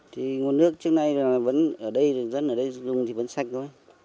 thì nguồn nước trước nay là vẫn ở đây dân ở đây dùng thì vẫn sạch thôi